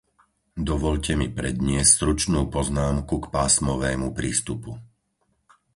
Dovoľte mi predniesť stručnú poznámku k pásmovému prístupu.